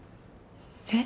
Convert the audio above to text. えっ。